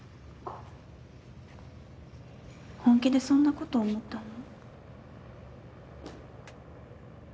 本気でそんなこと思ったの？